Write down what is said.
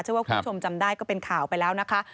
ว่าคุณผู้ชมจำได้ก็เป็นข่าวไปแล้วนะคะ